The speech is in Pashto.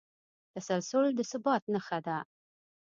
تسلسل د ثبات نښه ده.